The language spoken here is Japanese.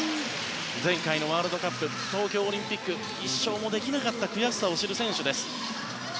前回のワールドカップ東京オリンピックで１勝もできなかった悔しさを知る選手です。